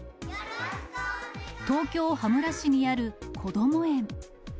東京・羽村市にあるこども園。